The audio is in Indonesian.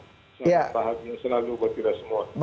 selalu berhati hati buat kita semua